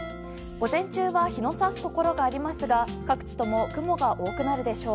午前中は日の差すところがありますが各地とも雲が多くなるでしょう。